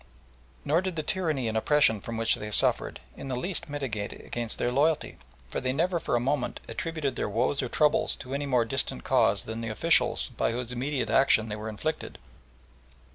Nor did the tyranny and oppression from which they suffered in the least militate against their loyalty, for they never for a moment attributed their woes or troubles to any more distant cause than the officials by whose immediate action they were inflicted.